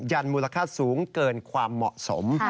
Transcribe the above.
ันมูลค่าสูงเกินความเหมาะสม